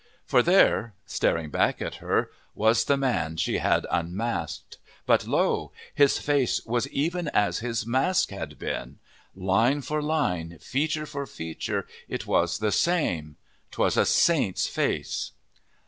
For there, staring back at her, was the man she had unmasked, but lo! his face was even as his mask had been. Line for line, feature for feature, it was the same. 'Twas a saint's face.